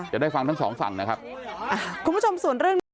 จะได้ฟังทั้งสองฝั่งนะครับอ่ะคุณผู้ชมส่วนเรื่องนี้